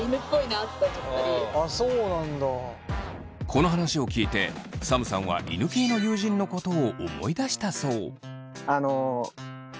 この話を聞いてサムさんは犬系の友人のことを思い出したそう。